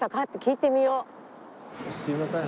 すみません。